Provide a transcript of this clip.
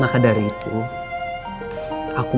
maka dari itu riri akan tetap hidup